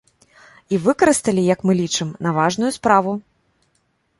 І выкарысталі, як мы лічым, на важную справу.